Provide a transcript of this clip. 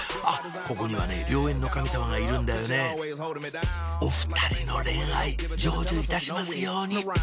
ここにはね良縁の神様がいるんだよねお２人の恋愛成就いたしますように！